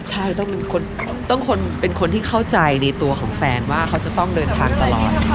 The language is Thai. ใช่ต้องเป็นคนที่เข้าใจในตัวของแฟนว่าเขาจะต้องเดินทางตลอดค่ะ